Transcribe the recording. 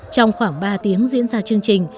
trong khoảng ba tiếng diễn ra chương trình